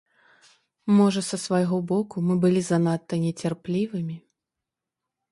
Можа, са свайго боку мы былі занадта нецярплівымі.